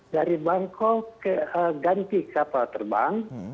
dari bangkok ganti kapal terbang